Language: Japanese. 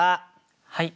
はい。